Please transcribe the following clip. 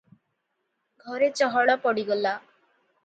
ଘରେ ଚହଳ ପଡ଼ିଗଲା ।